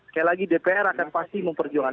sekali lagi dpr akan pasti memperjuangkan